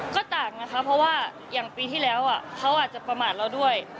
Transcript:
ก็ต่างนะคะเพราะว่าอย่างปีที่แล้วเขาอาจจะประมาทเราด้วย